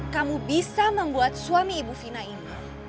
kamu bisa membuat suami ibu fina ini